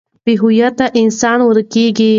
بې هويته انسان ورک وي.